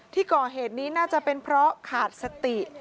ที่ก่อเหตุนี้น่าจะเป็นเพราะขาดสติ